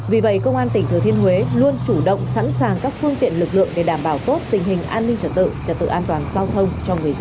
vì vậy công an tỉnh thừa thiên huế luôn chủ động sẵn sàng các phương tiện lực lượng để đảm bảo tốt tình hình an ninh trật tự trật tự an toàn giao thông cho người dân